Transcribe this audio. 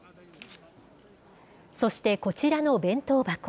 そしてこちらの弁当箱。